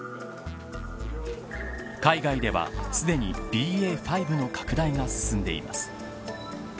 海外では、すでにＢＡ．５の拡大が進んでいます。